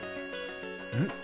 うん？